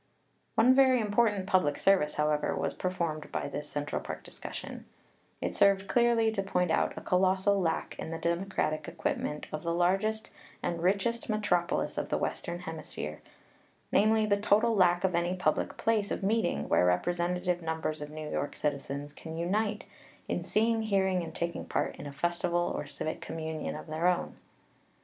One very important public service, however, was per formed by this Central Park discussion; it served clearly to point out a colossal lack in the democratic equipment of the largest and richest metropolis of the western hemisphere: namely, the total lack of any public place of meeting, where representative numbers of New York citizens can unite in seeing, hearing, and taking part in a festival or civic communion of their own.